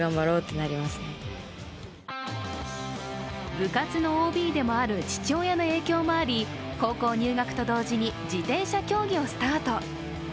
部活のＯＢでもある父親の影響もあり、高校入学と同時に自転車競技をスタート。